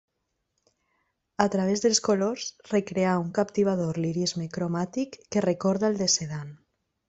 A través dels colors recreà un captivador lirisme cromàtic que recorda el de Cézanne.